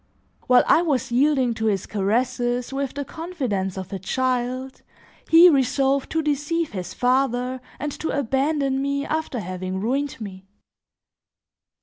While I was yielding to his caresses with the confidence of a child, he resolved to deceive his father and to abandon me after having ruined me.